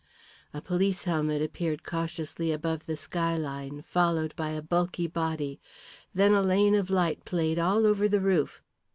A police helmet appeared cautiously above the skyline, followed by a bulky body. Then a lane of light played all over the roof.